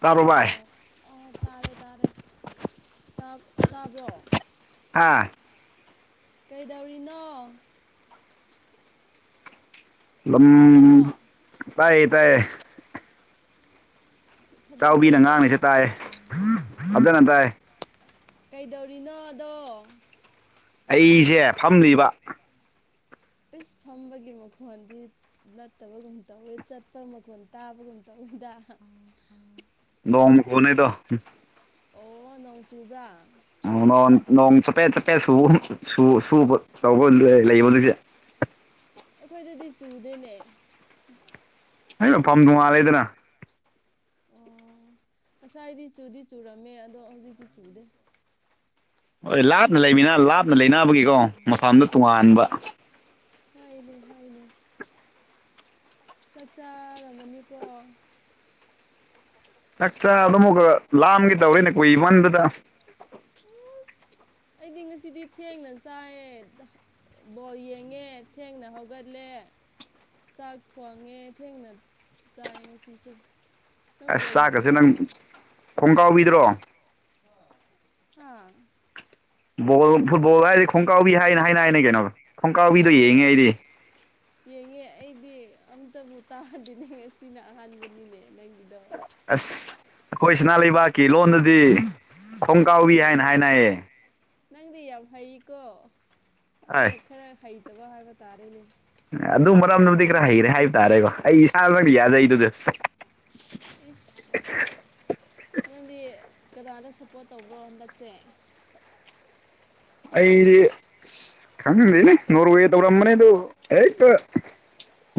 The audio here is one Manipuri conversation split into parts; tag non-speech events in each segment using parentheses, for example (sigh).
ꯇꯥꯕ꯭ꯔꯣ ꯚꯥꯏ ꯍꯜꯂꯣ ꯑꯥ ꯇꯥꯔꯦ ꯇꯥꯔꯦ ꯇꯥꯕ꯭ꯔꯣ ꯑꯥ ꯀꯩꯗꯧꯔꯤꯅꯣ ꯂꯝ ꯇꯥꯗꯕ꯭ꯔꯣ ꯇꯥꯏꯌꯦ ꯇꯥꯏꯌꯦ꯫ ꯊꯕꯛ ꯇꯥꯎꯕꯤꯅ ꯆꯠꯄ꯭ꯔꯣ ꯉꯥꯡꯉꯤꯁꯦ ꯇꯥꯏ ꯐꯞꯖꯅ ꯇꯥꯏ ꯀꯩꯗꯧꯔꯤꯅꯣꯗꯣ ꯑꯩꯁꯦ ꯐꯝꯂꯤꯕ ꯏꯁ ꯐꯝꯕꯒꯤ ꯃꯈꯣꯟꯗꯤ ꯅꯠꯇꯕꯒꯨꯝ ꯇꯧꯋꯦ ꯆꯠꯄ ꯃꯈꯣꯟꯜ ꯇꯥꯕꯒꯨꯝ ꯇꯧꯋꯤꯗ ꯅꯣꯡ ꯃꯈꫭꯟꯅꯩꯗꯣ ꯑꯣ ꯅꯣꯡ ꯆꯨꯕ꯭ꯔꯥ ꯅꯣꯡ ꯅꯣꯡ ꯆꯄꯦꯠ ꯆꯄꯦꯠ ꯁꯨꯕ ꯁꯨꯕ ꯇꯧꯕ ꯂꯩꯌꯦ ꯍꯧꯖꯤꯛꯁꯦ ꯑꯩꯈꯣꯏꯗꯗꯤ ꯆꯨꯗꯦꯅꯦ꯫ (unintelligible) ꯑꯩ ꯃꯐꯝ ꯇꯣꯡꯉꯥꯜꯂꯦꯗꯅ ꯑꯣ ꯉꯁꯥꯏꯗꯤ ꯆꯨꯗꯤ ꯆꯨꯔꯝꯃꯦ ꯑꯗꯣ ꯍꯧꯖꯤꯛꯇꯤ ꯆꯨꯗꯦ꯫ ꯍꯣꯏ ꯂꯥꯞꯅ ꯂꯩꯃꯤꯅ ꯂꯥꯞꯅ ꯂꯩꯅꯕꯒꯤꯀꯣ ꯃꯐꯝꯗ ꯇꯣꯉꯥꯟꯕ ꯍꯣꯏ ꯍꯣꯏꯅꯦ ꯍꯣꯏꯅꯦ꯫ ꯆꯥꯛ ꯆꯥꯔꯝꯃꯅꯤꯀꯣ ꯆꯥꯛꯆꯥ ꯑꯗꯨ ꯑꯃꯨꯀ ꯂꯥꯝꯒꯤ ꯇꯧꯔꯦꯅꯦ ꯀꯨꯏꯃꯟꯅꯗ ꯑꯁ ꯑꯩꯗꯤ ꯉꯁꯤꯗꯤ ꯊꯦꯡꯅ ꯆꯥꯏꯌꯦ꯫ ꯕꯣꯜ ꯌꯦꯡꯉꯦ ꯊꯦꯡꯅ ꯍꯧꯒꯠꯂꯦ ꯆꯥꯛ ꯊꯣꯡꯉꯦ ꯊꯦꯡꯅ ꯆꯥꯏ ꯉꯁꯤꯁꯦ ꯅꯪ ꯑꯁ ꯕꯣꯜ ꯆꯥꯛꯀꯁꯦ ꯌꯦꯡꯗ꯭ꯔꯣ ꯅꯪ ꯈꯣꯡ ꯀꯥꯎꯕꯤꯗ꯭ꯔꯣ ꯍꯥ ꯕꯣꯜ ꯐꯨꯠꯕꯣꯜ ꯍꯥꯏꯔꯗꯤ ꯈꯣꯡꯀꯥꯎꯕꯤ ꯍꯥꯏꯅ ꯍꯥꯏꯅ ꯍꯥꯏꯅꯦ ꯀꯩꯅꯣ ꯈꯣꯡꯀꯥꯎꯕꯤꯗꯣ ꯍꯣꯏꯅꯦ ꯌꯦꯡꯉꯦ ꯑꯩꯗꯤ ꯌꯦꯡꯉꯦ ꯑꯩꯗꯤ ꯑꯝꯇꯕꯨ ꯇꯥꯗꯤꯦꯅꯦ ꯉꯁꯤꯅ ꯑꯍꯥꯟꯕꯅꯤꯅꯦ ꯅꯪꯒꯤꯗꯣ ꯑꯁ ꯑꯩꯈꯣꯏ ꯁꯤꯅꯥ ꯂꯩꯕꯥꯛꯀꯤ ꯂꯣꯟꯗꯗꯤ ꯑꯣ ꯈꯣꯡꯀꯥꯎꯏ ꯍꯥꯏꯅ ꯍꯥꯏꯅꯥꯌꯦ ꯅꯪꯗꯤ ꯌꯥꯝ ꯍꯩꯀꯣ ꯑꯥꯏ ꯑꯩꯅ ꯈꯔ ꯍꯩꯇꯕ ꯍꯥꯏꯕ ꯇꯥꯔꯦꯅꯦ ꯑꯗꯨ ꯃꯔꯝꯗꯨꯕꯨꯗꯤ ꯈꯔ ꯍꯩꯔꯦ ꯍꯥꯏꯕ ꯇꯥꯔꯦꯀꯣ ꯑꯩ ꯏꯁꯥꯅ ꯅꯪꯗꯤ ꯌꯥꯖꯩꯗꯨꯗ ꯏꯁ ꯅꯪꯗꯤ ꯀꯅꯥꯗ ꯁꯞꯄꯣꯔꯠ ꯇꯧꯕ꯭ꯔꯣ ꯍꯟꯗꯛꯁꯦ ꯑꯩꯗꯤ ꯈꯪꯗꯦꯅꯦ ꯅꯣꯔꯋꯦ ꯇꯧꯔꯝꯕꯅꯦ ꯑꯗꯨ ꯍꯦꯛꯇ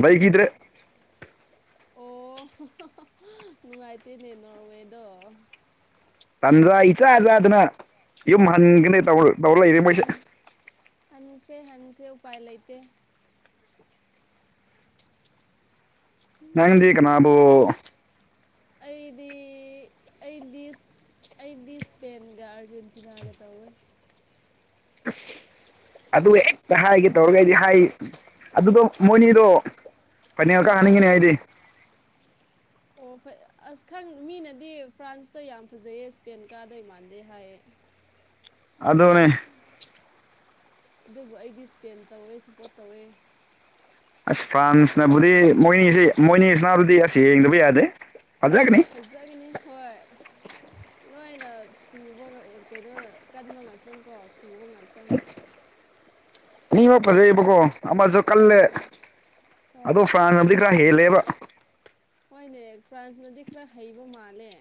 ꯂꯩꯈꯤꯗ꯭ꯔꯦ ꯑꯣ ꯅꯨꯡꯉꯥꯏꯇꯦꯅꯦ ꯅꯣꯔꯋꯦꯗꯣ ꯇꯟꯖꯥ ꯏꯆꯥꯖꯥꯗꯅ ꯌꯨꯝ ꯍꯟꯒꯅꯦ ꯇꯧꯔ ꯇꯧꯔ ꯂꯩꯔꯦ ꯍꯥꯟ ꯃꯣꯏꯁꯦ ꯍꯟꯈ꯭ꯔꯦ ꯍꯟꯈ꯭ꯔꯦ ꯎꯄꯥꯏ ꯂꯩꯇꯦ ꯅꯪꯗꯤ ꯀꯅꯥꯕꯨ ꯑꯩꯗꯤ ꯑꯩꯗꯤ ꯑꯩꯗꯤ ꯏꯁꯄꯦꯟꯒ ꯑꯥꯔꯖꯦꯟꯇꯤꯅꯥꯒ ꯇꯧꯋꯦ ꯑꯁ ꯑꯛ (inaudible) ꯑꯗꯨꯒ ꯍꯦꯛꯇ ꯍꯥꯏꯒꯦ ꯇꯧꯔꯒꯗꯤ ꯍꯥꯏ ꯑꯗꯨꯒ ꯃꯣꯏꯅꯤꯗꯣ ꯐꯥꯏꯅꯦꯜ ꯑ (inaudible) ꯀꯥꯍꯟꯅꯤꯡꯉꯤꯅꯦ ꯑꯩꯗꯤ ꯑꯣ ꯑꯁ ꯈꯪ ꯃꯤꯅꯗꯤ ꯐ꯭ꯔꯥꯟꯁꯇꯣ ꯌꯥꯝ ꯐꯖꯩꯌꯦ ꯏꯁꯄꯦꯟ ꯀꯥꯗꯣꯏ ꯃꯥꯟꯗꯦ ꯍꯥꯏꯌꯦ ꯑꯗꯨꯅꯦ ꯑꯗꯨꯕꯨ ꯑꯩꯗꯤ ꯁꯄꯦꯟ ꯇꯧꯋꯦ ꯁꯞꯄꯣꯔꯠ ꯇꯧꯋꯦ ꯑꯁ ꯐ꯭ꯔꯥꯟꯁꯅꯕꯨꯗꯤ ꯃꯣꯏꯅꯤꯁꯦ ꯃꯣꯏꯅꯤꯁꯤꯅꯕꯨꯗꯤ ꯑꯁ ꯌꯦꯡꯗꯕ ꯌꯥꯗꯦ ꯐꯖꯒꯅꯤ ꯐꯖꯒꯅꯤ ꯍꯣꯏ ꯂꯣꯏꯅ ꯊꯨꯕ ꯀꯩꯅꯣ ꯀꯟꯕ ꯉꯥꯛꯇꯪ ꯀꯣ ꯊꯨꯕ ꯉꯥꯛꯇꯪ ꯑꯅꯤꯃꯛ ꯐꯖꯩꯕꯀꯣ ꯑꯃꯁꯨ ꯀꯜꯂꯦ ꯑꯗꯣ ꯍꯣꯏ ꯐ꯭ꯔꯥꯟꯁ ꯅꯗꯤ ꯈꯔ ꯍꯦꯜꯂꯦꯕ ꯍꯣꯏꯅꯦ ꯐ꯭ꯔꯥꯟꯁꯅꯗꯤ ꯈꯔ ꯍꯩꯕ ꯃꯥꯜꯂꯦ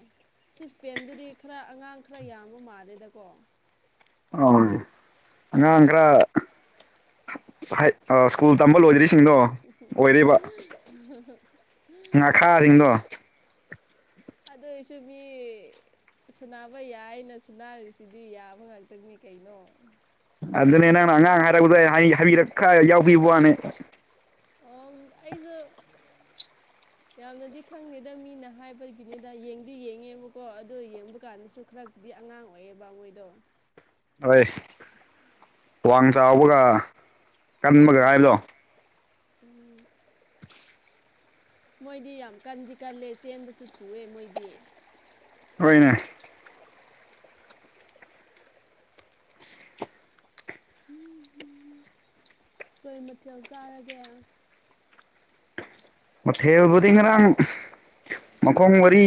ꯁꯤ ꯏꯁꯄꯦꯟꯗꯨꯗꯤ ꯈꯔ ꯑꯉꯥꯡ ꯈꯔ ꯌꯥꯝꯕ ꯃꯥꯜꯂꯦꯗꯀꯣ ꯑ ꯑꯉꯥꯡ ꯈꯔ ꯁ꯭ꯀꯨꯜ ꯇꯝꯕ ꯂꯣꯏꯗ꯭ꯔꯤꯁꯤꯡꯗꯣ ꯑꯣꯏꯔꯤꯕ ꯉꯥꯈꯥꯁꯤꯡꯗꯣ (inaudible) ꯑꯗꯣꯏꯁꯨ ꯃꯤ ꯁꯅꯕ ꯌꯥꯏꯅ ꯁꯅꯥꯔꯤꯁꯤꯗꯤ ꯌꯥꯕ ꯉꯥꯛꯇꯅꯤ ꯀꯩꯅꯣ ꯑꯗꯨꯅꯦ ꯅꯪꯅ ꯑꯉꯥꯡ ꯍꯥꯏꯔꯛꯄꯗ ꯍꯥꯏꯕꯤꯔꯛꯈ ꯌꯥꯎꯕꯤꯕ ꯋꯥꯅꯦ ꯑꯣ ꯑꯩꯖꯨ ꯌꯥꯝꯅꯗꯤ ꯈꯪꯗꯦꯗ ꯃꯤꯅ ꯍꯥꯏꯕꯒꯤꯅꯤꯗ ꯌꯦꯡꯗꯤ ꯌꯦꯡꯉꯦꯕꯀꯣ ꯑꯗꯨꯣ ꯌꯦꯡꯕ ꯀꯥꯟꯗꯁꯨ ꯈꯔ ꯗꯤ ꯑꯉꯥꯡ ꯑꯣꯏꯌꯦ ꯕ ꯃꯣꯏꯗꯣ ꯍꯣꯏ ꯋꯥꯡ ꯆꯥꯎꯕꯒ ꯀꯟꯕꯒ ꯍꯥꯏꯕꯗꯣ ꯎꯝ ꯎꯝ ꯃꯣꯏꯗꯤ ꯌꯥꯝ ꯀꯟꯗꯤ ꯀꯜꯂꯦ ꯆꯦꯟꯕꯁꯨ ꯊꯨꯏꯑꯦ ꯃꯣꯏꯗꯤ ꯍꯣꯏꯅꯦ ꯎꯝ ꯀꯩ ꯃꯊꯦꯜ ꯆꯥꯔꯒꯦ ꯃꯊꯦꯜꯕꯨꯗꯤ ꯉꯔꯥꯡ ꯃꯈꯣꯡ ꯃꯔꯤ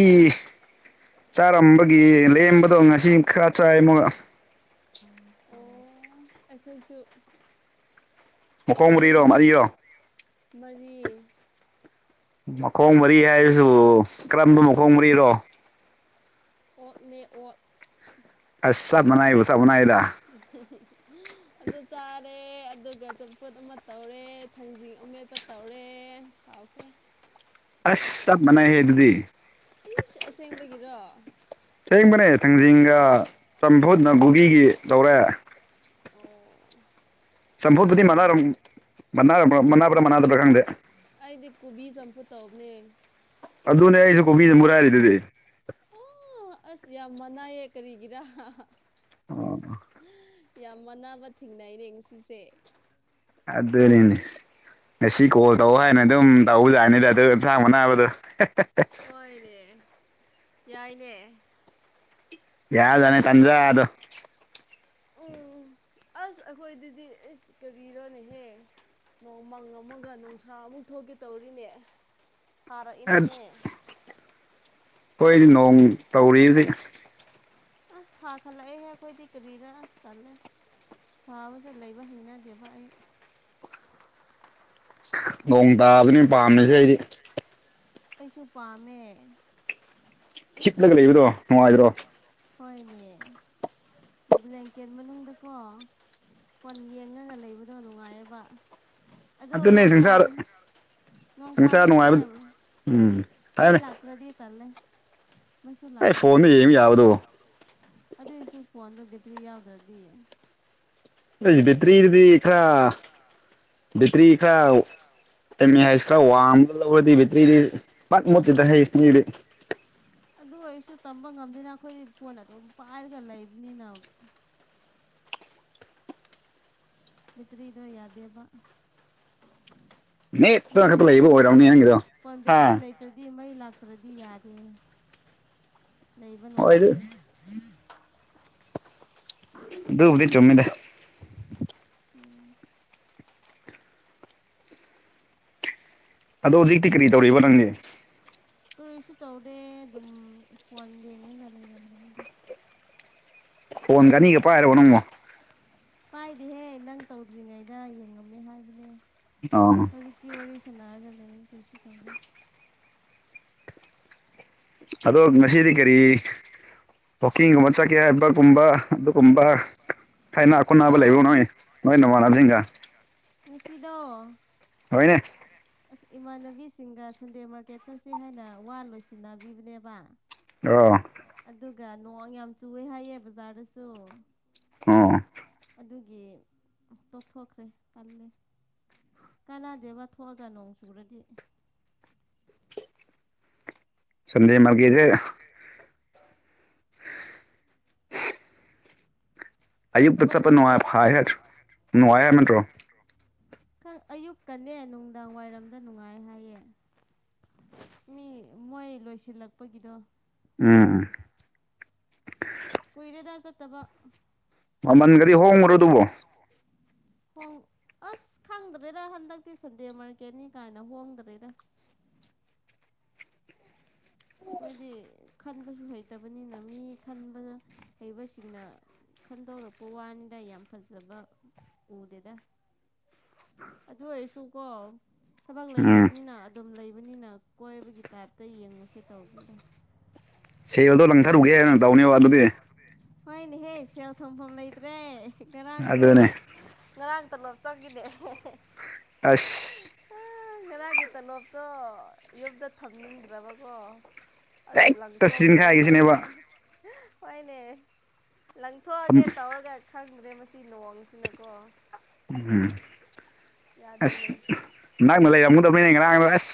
ꯆꯥꯔꯝꯕꯒꯤ ꯂꯦꯝꯕꯗꯣ ꯉꯁꯤ ꯈꯔ ꯆꯥꯏ ꯑꯣ ꯑꯩꯈꯣꯏꯁꯨ ꯃꯈꯣꯡ ꯃꯨꯔꯤꯔꯣ ꯂꯦꯝꯕ ꯃꯔꯤꯔꯣ ꯃꯔꯤ ꯃꯈꯣꯡ ꯃꯔꯤ ꯍꯥꯏꯔꯁꯨ ꯀꯔꯝꯕ ꯃꯈꯣꯡ ꯃꯔꯤꯔꯣ ꯑꯣꯛꯅꯦ ꯑꯣꯛ ꯑꯁ ꯆꯥꯞ ꯃꯅꯥꯏꯕ ꯆꯥꯞ ꯃꯅꯥꯏꯗ ꯎ ꯑꯗꯨ ꯆꯥꯔꯦ ꯑꯗꯨꯒ ꯆꯝꯐꯨꯠ ꯑꯃ ꯇꯧꯔꯦ ꯊꯥꯡꯖꯤꯡ ꯑꯃꯦꯠꯄ ꯇꯧꯔꯦ ꯁꯥꯎꯈ꯭ꯔꯦ ꯑꯁ ꯆꯞ ꯃꯅꯦ ꯍꯦ ꯑꯗꯨꯗꯤ ꯏꯁ ꯑꯁꯦꯡꯕꯒꯤꯔꯣ ꯊꯦꯡꯕꯅꯦ ꯊꯥꯡꯖꯤꯡꯒ ꯆꯝꯐꯨꯠꯅ ꯒꯨꯕꯤꯒꯤ ꯇꯧꯔꯦ ꯑꯣ ꯆꯝꯐꯨꯠꯄꯨꯗꯤ ꯃꯅꯥ ꯃꯟ ꯃꯅꯥꯕ꯭ꯔꯥ ꯃꯅꯥꯗꯕ꯭ꯔꯥ ꯈꯪꯗꯦ ꯑꯩꯗꯤ ꯀꯣꯕꯤ ꯆꯝꯐꯨ ꯇꯧꯕꯅꯦ ꯑꯗꯨꯅꯦ ꯑꯩꯁꯨ ꯀꯣꯕꯤꯗ ꯃꯨꯔꯥꯏꯔꯤꯗꯨꯗꯤ ꯑꯣ ꯑꯁ ꯌꯥꯝ ꯃꯅꯥꯏꯌꯦ ꯀꯔꯤꯒꯤꯔ ꯑꯣ ꯌꯥꯝ ꯑꯅꯥꯕ ꯊꯦꯡꯅꯩꯅꯦ ꯉꯁꯤꯁꯦ ꯑꯗꯨꯅꯤꯅꯦ ꯉꯁꯤ ꯀꯣꯜ ꯇꯧ ꯍꯥꯏꯅ ꯑꯗꯨꯝ ꯇꯧꯕꯖꯥꯠꯅꯤꯗ ꯑꯗꯨ ꯑꯦꯟꯁꯥꯡ ꯃꯅꯥꯕꯗꯣ ꯍꯣꯏꯅꯦ ꯌꯥꯏꯅꯦ ꯌꯥꯎꯗꯅꯦ ꯀꯟꯖꯥꯗꯣ ꯎꯝ ꯑꯁ ꯑꯩꯈꯣꯏꯗꯗꯤ ꯑꯁ ꯀꯔꯤꯔ ꯅꯤꯍꯦ ꯅꯣꯡꯃꯪ ꯑꯃꯒ ꯅꯨꯡꯁꯥ ꯑꯃꯨꯛ ꯊꯣꯛꯀꯦ ꯇꯧꯔꯤꯅꯦ ꯁꯥꯔꯛꯏꯅꯦꯍꯦ ꯑꯩꯈꯣꯏꯗꯤ ꯅꯣꯡ ꯇꯧꯔꯤ ꯍꯧꯖꯤꯛ ꯑꯁ ꯊꯈꯠꯂꯛꯑꯦꯍꯦ ꯑꯩꯈꯣꯏꯗꯤ ꯀꯔꯤꯔ ꯑꯁ ꯇꯜꯂꯦ ꯁꯥꯕꯁꯦ ꯂꯩꯕ ꯍꯩꯅꯗꯦꯕ ꯑꯩ ꯅꯣꯡ ꯇꯥꯕꯅꯅꯦ ꯄꯥꯝꯃꯤꯁꯦ ꯑꯩꯗꯤ ꯑꯁꯨ ꯄꯝꯃꯦ ꯍꯤꯞꯂꯒ ꯂꯩꯕꯗꯣ ꯅꯨꯡꯉꯥꯏꯗ꯭ꯔꯣ ꯍꯣꯏꯅꯦ ꯕ꯭ꯂꯦꯡꯀꯦꯠ ꯃꯅꯨꯡꯗꯀꯣ ꯐꯣꯟ ꯌꯦꯡꯉꯒ ꯂꯩꯕꯗꯣ ꯅꯨꯡꯉꯥꯏꯌꯦꯕ ꯑꯗꯣ ꯑꯗꯨꯅꯦ ꯅꯣꯡ ꯁꯪꯁꯥꯔ ꯇꯥꯔꯦ ꯅꯣꯟ ꯁꯪꯁꯥꯔ ꯇꯔ꯭ꯁꯨꯅꯦ ꯅꯨꯡꯉꯥꯏꯕ ꯎꯝ ꯃꯩ ꯍꯥꯏꯕꯅꯦ ꯂꯥꯛꯇꯗꯤ ꯇꯜꯂꯦ ꯃꯩꯁꯨ ꯑꯩ ꯂꯥꯛꯀꯗꯕ ꯐꯣꯟꯗ ꯌꯥ ꯌꯦꯡꯕ ꯌꯥꯕꯗꯣ ꯑꯗꯨꯏꯁꯨ ꯐꯣꯟꯗ ꯕꯦꯠꯇ꯭ꯔꯤ ꯌꯥꯎꯗ꯭ꯔꯗꯤ ꯑꯩꯁ ꯕꯦꯇ꯭ꯔꯤꯗꯤ ꯈꯔ ꯕꯦꯠꯇ꯭ꯔꯤ ꯈꯔ ꯑꯦꯝ ꯑꯦ ꯍꯩꯁ ꯈꯔ ꯋꯥꯡꯃ ꯂꯧꯔꯗꯤ ꯕꯦꯇ꯭ꯔꯤꯗꯤ ꯄꯠ ꯃꯨꯠꯇꯤꯗ ꯍꯩ ꯃꯤꯗꯤ ꯑꯗꯨ ꯑꯣꯏꯔꯁꯨ ꯇꯝꯕ ꯉꯝꯗꯦꯅ ꯑꯩꯈꯣꯏꯗꯤ ꯐꯣꯟ ꯑꯗꯨ ꯄꯥꯏꯔꯒ ꯂꯩꯕꯅꯤꯅ ꯃꯠꯇ꯭ꯔꯗꯣ ꯌꯥꯗꯦꯕ ꯅꯣꯡ ꯅꯦꯠꯇꯅ ꯈꯛꯇ ꯂꯩꯕ ꯆꯨꯔꯁꯨ ꯑꯣꯏꯔꯝꯅꯤ ꯅꯪꯒꯤꯗꯣ ꯄꯣꯟ ꯍꯥ ꯕꯦꯇ꯭ꯔꯤ ꯂꯩꯇ꯭ꯔꯗꯤ ꯃꯩ ꯂꯥꯛ ꯐꯠꯇ꯭ꯔꯗꯤ ꯌꯥꯔꯦ ꯂꯩꯕ ꯍꯣꯏ ꯑꯗꯨ ꯅꯨꯡꯉꯥꯏꯇꯦ ꯑꯥꯗꯨꯕꯨ ꯗꯤ ꯆꯨꯝꯃꯤꯗ ꯎꯝ ꯑꯗꯣ ꯍꯧꯖꯤꯛꯇꯤ ꯀꯔꯤ ꯇꯧꯔꯤꯕ ꯅꯪꯗꯤ ꯀꯔꯤꯁꯨ ꯇꯧꯗꯦ ꯑꯗꯨꯝ ꯐꯣꯟ ꯌꯦꯡꯉꯒ ꯂꯩꯔꯝꯕꯅꯤꯗ ꯐꯣꯟ ꯑꯅꯤꯒ ꯄꯥꯏꯔꯕꯣ ꯅꯪꯕꯨ ꯄꯥꯏꯗꯤꯍꯦ ꯅꯪ ꯇꯧꯗ꯭ꯔꯤꯉꯩꯗ ꯌꯦꯡꯉꯝꯃꯦ ꯍꯥꯏꯕꯅꯦ ꯑꯣ ꯍꯧꯖꯤꯛ ꯇꯤ ꯋꯥꯔꯤ ꯁꯟꯅꯔꯒ ꯂꯩꯑ ꯀꯔꯤꯁꯨ ꯇꯧꯗꯦ ꯑꯗꯣ ꯉꯁꯤꯗꯤ ꯀꯔꯤ ꯍꯀꯤꯡꯒꯨꯝꯕ ꯆꯠꯀꯦ ꯍꯥꯏꯕꯒꯨꯝꯕ ꯑꯗꯨꯒꯨꯝꯕ ꯍꯥꯏꯅ ꯈꯨꯣꯟꯠꯅꯕ ꯉꯁꯤꯗꯣ ꯂꯩꯕ ꯉꯝꯏ ꯅꯣꯏ ꯅꯃꯅꯖꯤꯡꯒ ꯉꯁꯤ ꯗꯣ ꯍꯅꯦ ꯏꯃꯥꯟꯅꯕꯤꯁꯤꯡꯒ ꯁꯟꯗꯦ ꯃꯥꯔꯀꯦꯠ ꯆꯠꯁꯤ ꯍꯥꯏꯅ ꯋꯥ ꯂꯣꯏꯁꯤꯟꯅꯕꯤꯕꯅꯦꯕ ꯑ ꯑꯗꯨꯒ ꯅꯣꯡ ꯌꯥꯝ ꯆꯨꯏꯦ ꯍꯥꯏꯌꯦ ꯕꯖꯥꯔꯗꯁꯨ ꯑꯣ (unintelligible) ꯑꯗꯨꯒꯤ ꯇꯣꯛꯊꯣꯛꯈ꯭ꯔꯦ ꯇꯜꯂꯦ ꯀꯥꯟꯅꯗꯦꯕ ꯊꯣꯛꯑꯒ ꯅꯣꯡ ꯆꯨꯔꯗꯤ ꯁꯟꯗꯦ ꯃꯔꯀꯦꯠ ꯁꯦ ꯑꯌꯨꯛꯇ ꯆꯠꯇꯕ ꯆꯠꯄ ꯀꯨꯏꯔꯦ ꯅꯨꯡꯉꯥꯏ ꯐꯥꯏ ꯍꯥꯏ ꯅꯨꯡꯉꯥꯏ ꯍꯥꯏꯃꯟꯗ꯭ꯔꯣ (unintelligible) ꯈ ꯑꯌꯨꯛꯀꯥꯅꯦ ꯅꯨꯡꯗꯥꯡ ꯋꯥꯏꯔꯝꯗ ꯅꯨꯡꯉꯥꯏ ꯍꯥꯏꯌꯦ ꯃꯤ ꯃꯣꯏ ꯂꯣꯏꯁꯤꯜꯂꯛꯄꯒꯤꯗꯣ ꯎꯝ ꯎꯝ ꯀꯨꯏꯔꯦ ꯗꯥ ꯆꯠꯇꯕ ꯃꯃꯟꯒꯗꯤ ꯍꯣꯡꯕ꯭ꯔꯣ ꯑꯗꯨꯕꯣ ꯍꯣꯡ ꯑꯁ ꯈꯪꯗ꯭ꯔꯦꯗ ꯍꯟꯗꯛꯇꯤ ꯁꯟꯗꯦ ꯃꯥꯔꯀꯦꯠꯅꯤ ꯀꯥꯏꯅ ꯍꯣꯡꯗ꯭ꯔꯦꯗ ꯑꯩꯈꯣꯏꯗꯤ ꯈꯟꯕꯁꯨ ꯍꯩꯇꯕꯅꯤꯅ ꯃꯤ ꯈꯟꯕ ꯍꯩꯕꯁꯤꯡꯅ ꯈꯟꯗꯧꯔꯛꯄ ꯋꯥꯅꯤꯗ ꯌꯥꯝ ꯐꯖꯕ ꯎꯗꯦꯗ ꯑꯗꯨ ꯑꯣꯏꯔꯁꯨꯀꯣ ꯊꯕꯛ ꯎꯝ ꯂꯩꯇꯕꯅꯤꯅ ꯑꯗꯨꯝ ꯂꯩꯕꯅꯤꯅ ꯀꯣꯏꯕꯒꯤ ꯇꯥꯏꯞꯇ ꯌꯦꯡꯉꯨꯁꯦ ꯇꯧꯕꯅꯤꯗ ꯁꯦꯜꯗꯣ ꯂꯪꯊꯔꯨꯒꯦ ꯅ ꯇꯧꯅꯦꯕ ꯑꯗꯨꯗꯤ ꯍꯣꯏꯅꯦꯍꯦ ꯁꯦꯜ ꯊꯨꯝꯐꯝ ꯂꯩꯇ꯭ꯔꯦ ꯉꯔꯥꯡꯁꯨ ꯑꯗꯨꯅꯦ ꯉꯔꯥꯡ ꯇꯣꯂꯣꯞ ꯆꯪꯉꯤꯅꯦꯍ (unintelligible) ꯑꯁ ꯑꯦ ꯉꯔꯥꯡꯒꯤ ꯇꯂꯣꯞꯇꯣ ꯌꯨꯝꯗ ꯊꯝꯅꯤꯡꯗ꯭ꯔꯕꯀꯣ ꯑꯗꯣ ꯍꯦꯛꯇ ꯂꯪꯊꯣꯛꯎꯒꯦ ꯁꯤꯖꯤꯟꯈꯥꯏꯒꯤꯁꯤꯅꯦꯕ ꯇꯧꯕꯅꯦ ꯍꯣꯏꯅꯦ ꯊꯝ ꯂꯪꯊꯣꯛꯑꯒꯦ ꯇꯧꯔꯒ ꯈꯪꯗ꯭ꯔꯦ ꯃꯁꯤ ꯅꯣꯡꯁꯤꯅꯀꯣ ꯎꯝ ꯌꯥꯗꯦꯅꯦ ꯅꯪꯅ ꯂꯩꯔꯝꯃꯨꯗꯕꯅꯦ ꯉꯔꯥꯡꯗꯣ ꯑꯁ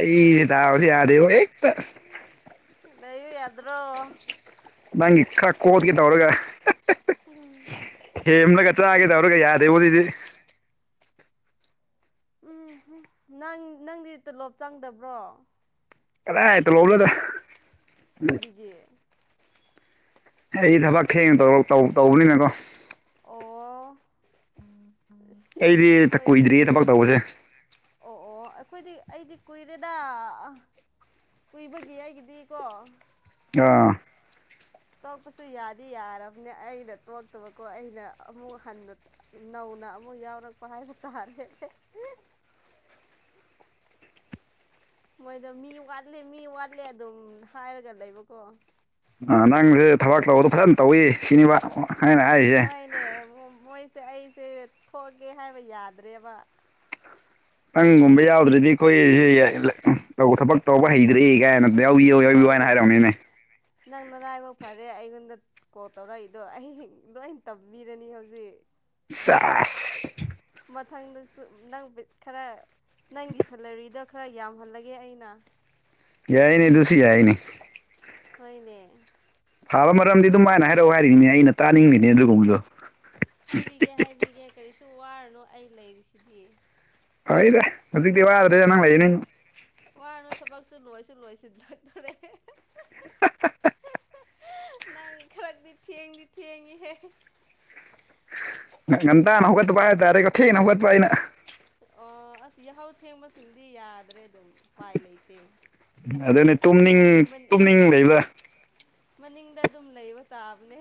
ꯑꯩꯁꯦ ꯗꯥꯎꯁꯦ ꯌꯥꯗꯦꯕ ꯍꯦꯛꯇ (unintelligible) ꯂꯩꯌꯨ ꯌꯥꯗ꯭ꯔꯣ ꯅꯪꯒꯤ ꯈꯔ ꯀꯣꯗꯀꯦ ꯇꯧꯔꯒ ꯎꯝ (unintelligible) ꯊꯦꯝꯂꯒ ꯆꯥꯒꯦ ꯇꯧꯔꯒ ꯌꯥꯗꯦꯕꯨꯖꯤꯗꯤ ꯎꯝ ꯍꯨꯝꯞ ꯅꯪ ꯅꯪꯗꯤ ꯇꯣꯂꯣꯞ ꯆꯪꯗꯕ꯭ꯔꯣ ꯀꯗꯥꯏ ꯇꯣꯂꯣꯞ ꯅꯣꯗ (unintelligible) ꯌꯦ ꯑꯩ ꯊꯕꯛ ꯊꯦꯡꯅ ꯇꯧꯔ ꯇꯧꯕꯅꯤꯅꯀꯣ ꯑꯣ ꯑꯥ ꯑꯩꯗꯤ ꯇꯀꯨꯏꯗ꯭ꯔꯤꯌꯦ ꯊꯕꯛ ꯇꯧꯕꯁꯦ ꯑꯣ ꯑꯣ ꯑꯩꯈꯣꯏꯗꯤ ꯑꯩꯗꯤ ꯀꯨꯏꯔꯦꯗ (unintelligible) ꯀꯨꯏꯕꯒꯤ ꯑꯩꯒꯤꯗꯤꯀꯣ ꯑꯥ ꯇꯣꯛꯄꯁꯨ ꯌꯥꯗꯤ ꯌꯥꯔꯕꯅꯦ ꯑꯩꯅ ꯇꯣꯛꯇꯕꯀꯣ ꯑꯩꯅ ꯑꯃꯨꯛ ꯍꯟꯅ__ ꯅꯧꯅ ꯑꯃꯨꯛ ꯌꯥꯎꯔꯛꯄ ꯍꯥꯏꯕ ꯇꯥꯔꯦ (unintelligible) ꯃꯣꯏꯗꯣ ꯃꯤ ꯋꯥꯠꯂꯦ ꯃꯤ ꯋꯥꯠꯂꯦ ꯑꯗꯨꯝ ꯍꯥꯏꯔꯒ ꯂꯩꯕꯀꯣ ꯑꯥ ꯅꯪꯁꯦ ꯊꯕꯛ ꯇꯧꯕꯗꯣ ꯐꯖꯅ ꯇꯧꯋꯤ ꯁꯤꯅꯦꯕ ꯑꯩꯅ ꯍꯥꯏꯔꯤꯁꯦ (unintelligible) ꯍꯣꯏꯅꯦ ꯃ ꯃꯣꯏꯁ__ ꯑꯩꯁꯦ ꯊꯣꯛꯑꯒꯦ ꯍꯥꯏꯕ ꯌꯥꯗ꯭ꯔꯦꯕ ꯅꯪꯒꯨꯝꯕ ꯌꯥꯎꯗ꯭ꯔꯗꯤ ꯑꯩꯈꯣꯏ (unintelligible) ꯇꯧꯕ ꯊꯕꯛ ꯇꯧꯕ ꯍꯩꯗ꯭ꯔꯦ ꯀꯥꯏꯅ ꯌꯥꯎꯕꯤꯌꯣ (unintelligible) ꯌꯥꯎꯕꯤꯌꯣ ꯍꯥꯏꯅ ꯍꯣꯏꯅꯦ ꯍꯥꯏꯔꯝꯅꯤꯅꯦ ꯅꯪ ꯅꯔꯥꯏꯕꯛ ꯐꯔꯦ ꯑꯩꯉꯣꯟꯗ__ ꯀꯣꯜ ꯇꯧꯔꯛꯏꯗꯣ ꯑꯩ (unintelligible) ꯂꯣꯏ ꯇꯝꯕꯤꯔꯅꯤ ꯍꯧꯖꯤꯛ ꯁꯥꯁ ꯃꯊꯪꯗꯁꯨ ꯅꯪ ꯕꯤꯇ ꯈꯔ ꯅꯪꯒꯤ ꯁꯦꯂꯔꯤꯗꯣ ꯈꯔ ꯌꯥꯝꯍꯜꯂꯒꯦ ꯑꯩꯅ ꯌꯥꯏꯌꯦꯅꯦ ꯑꯗꯨꯁꯨ ꯌꯥꯏꯌꯦꯅꯦ ꯍꯣꯏꯅꯦ ꯐꯥꯕ ꯃꯔꯝꯗꯤ ꯑꯗꯨꯝꯃꯥꯏꯅ ꯍꯥꯏꯔꯛꯑꯣ ꯍꯥꯏꯔꯤꯅꯦ ꯑꯩꯅ ꯇꯥꯅꯤꯡꯒꯅꯤ ꯑꯗꯨꯒꯨꯝꯕꯗꯣ (unintelligible) ꯍꯥꯏꯕꯤꯒꯦ ꯍꯥꯏꯕꯤꯒꯦ ꯀꯔꯤꯁꯨ ꯋꯥꯔꯨꯅꯣ ꯑꯩ ꯂꯩꯔꯤꯁꯤꯗꯤ ꯍꯣꯏꯗ (inaudible) ꯋꯥꯅ ꯊꯕꯛꯁꯨ ꯂꯣꯏꯁꯨ ꯂꯣꯏꯁꯤꯟꯗꯇꯣꯔꯦ (inaudible) ꯅꯪ ꯈꯔꯗꯤ ꯊꯦꯡꯗꯤ ꯊꯦꯡꯉꯤꯍꯦ ꯪꯟ ꯇ ꯅꯍꯣꯏ ꯄꯥꯏꯦ ꯇꯔꯦ ꯀꯣꯩ ꯅꯍꯣꯏ ꯄꯄꯥꯏꯅ ꯑꯣ ꯑꯁ ꯌꯥꯍꯧ ꯊꯦꯡꯕꯁꯤꯡꯗꯤ ꯌꯥꯗ꯭ꯔꯦ ꯑꯗꯨꯝ ꯎꯄꯥꯏ ꯂꯩꯇꯦ ꯑꯗꯨꯅꯦ ꯅꯣꯏꯗꯤ ꯇꯨꯝꯅꯤꯡ ꯇꯨꯝꯅꯤꯡ ꯂꯩꯕꯗ ꯃꯅꯤꯡꯗ ꯑꯗꯨꯝ ꯂꯩꯕ ꯇꯥꯕꯅꯦ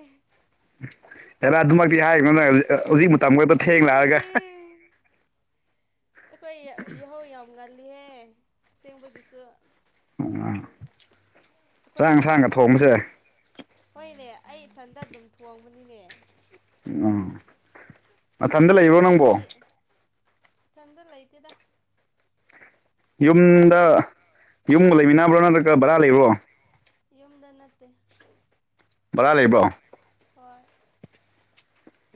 ꯍꯦꯔꯥ ꯑꯗꯨꯃꯛꯇꯤ ꯍꯥꯏꯒꯅꯣꯗ ꯍꯧꯖꯤꯛ ꯃꯇꯝ ꯈꯛꯇ ꯊꯦꯡ ꯂꯥꯛꯑꯒ ꯑꯁꯦꯡꯕꯅꯦ ꯑꯩꯈꯣꯏ ꯌꯦꯍꯧ ꯌꯥꯝ ꯉꯜꯂꯤꯍꯦ ꯑꯁꯦꯡꯕꯒꯤꯁꯨ ꯎ ꯑꯩꯈꯣꯏꯅ ꯍꯣꯏꯅꯦ ꯑꯩ ꯏꯊꯟꯇ ꯑꯗꯨꯝ ꯊꯣꯡꯕꯅꯤꯅꯦ ꯎꯝ ꯃꯊꯟꯗ ꯂꯩꯕ꯭ꯔꯣ ꯅꯪꯕꯣ ꯏꯊꯟꯗ ꯂꯩꯇꯦꯗ ꯌꯨꯝꯗ ꯌꯨꯝꯒ ꯂꯩꯃꯤꯟꯅꯕ꯭ꯔꯣ ꯅꯠꯇ꯭ꯔꯒ ꯕꯔꯥ ꯂꯩꯕ꯭ꯔꯣ ꯌꯨꯝꯗ ꯅꯠꯇꯦ ꯚꯔꯥ ꯂꯩꯕ꯭ꯔꯣ ꯍꯣꯏ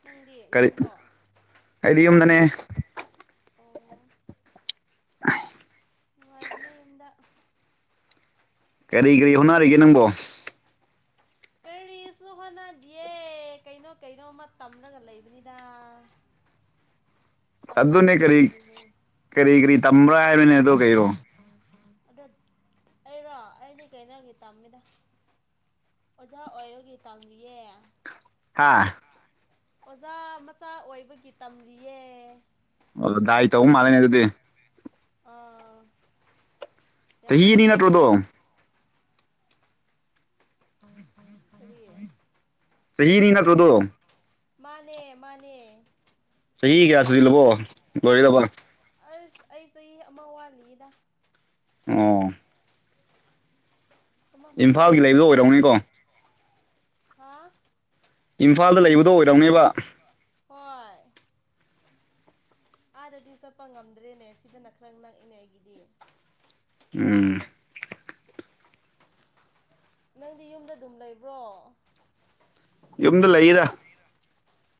ꯅꯪꯗꯤ ꯌꯨꯝꯂꯣ ꯑꯝꯗꯅꯦ ꯑꯣ ꯍꯥꯏ ꯅꯨꯡꯉꯥꯏꯕꯅꯦ ꯍꯟꯗ ꯀꯔꯤ ꯀꯔꯤ ꯍꯣꯠꯅꯔꯤꯒꯦ ꯅꯪꯕꯣ ꯀꯔꯤꯁꯨ ꯍꯣꯠꯅꯗꯤꯌꯦ ꯀꯩꯅꯣ ꯀꯩꯅꯣꯃ ꯇꯝꯔꯒ ꯂꯩꯕꯅꯤꯗ ꯑꯗꯨꯅꯦ ꯀꯔꯤ ꯇꯝꯕꯜ ꯀꯔꯤ ꯀꯔꯤ ꯇꯝꯕ꯭ꯔꯥ ꯍꯥꯏꯕꯅꯦ ꯑꯗꯣ ꯍꯣꯏꯗ꯭ꯔꯤ ꯀꯩꯔꯣ ꯑꯗꯨ ꯑꯩꯔꯣ ꯑꯩꯗꯤ ꯀꯩꯅꯣꯒꯤ ꯇꯝꯃꯤꯗ ꯑꯣꯖꯥ ꯑꯣꯏꯕꯒꯤ ꯇꯝꯃꯤꯌꯦ ꯍꯥꯥ ꯑꯣꯖꯥ ꯃꯆꯥ ꯑꯣꯏꯕꯒꯤ ꯇꯝꯔꯤꯌꯦ ꯑꯣꯗꯥꯏ ꯑꯥ ꯌꯥꯝ ꯆꯍꯤꯅꯤ ꯍꯩꯌꯦꯀꯣ ꯅꯠꯇ꯭ꯔꯣꯗꯣ ꯀꯔꯤ (inaudible) ꯇꯗꯣ ꯃꯥꯅꯦ ꯃꯥꯅꯦ ꯆꯍꯤ ꯀꯌꯥ ꯁꯨꯖꯤꯜꯂꯕꯣ ꯂꯣꯏꯒꯗꯕ ꯑꯁ ꯑꯩ ꯆꯍꯤ ꯑꯃ ꯋꯥꯠꯂꯤꯗ ꯎꯝ ꯏꯝꯐꯥꯜꯒꯤ ꯂꯩꯕꯣ ꯑꯣꯏꯔꯧꯅꯤꯀꯣ ꯍꯥꯥ ꯏꯝꯐꯥꯜꯗ ꯂꯩꯕꯗꯣ ꯑꯣꯏꯔꯝꯅꯦꯕ ꯍꯣꯏ ꯑꯥꯗꯗꯤ ꯆꯠꯄ ꯉꯝꯗ꯭ꯔꯦꯅꯦ ꯁꯤꯗꯅ ꯈꯔ ꯅꯛꯏꯅꯦ ꯑꯩꯒꯤꯗꯤ ꯎꯝ ꯅꯪꯗꯤ ꯌꯨꯝꯗ ꯑꯗꯨꯝ ꯂꯩꯕ꯭ꯔꯣ ꯌꯨꯝꯗ ꯂꯩꯗ